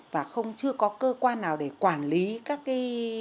và không chưa có cơ quan nào để quản lý các cái